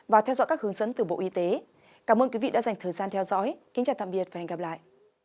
và theo dõi các hướng dẫn từ bộ y tế cảm ơn quý vị đã dành thời gian theo dõi kính chào tạm biệt và hẹn gặp lại